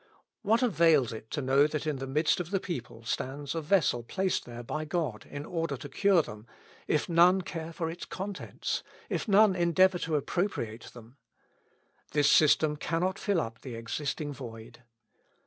What avails it to know that in the midst of the people stands a vessel placed there by God in order to cure them, if none care for its contents, if none endeavour to appropriate them? This system cannot fill up the existing void.